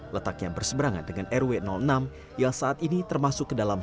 letaknya berseberangan dengan rw enam yang saat ini termasuk ke dalam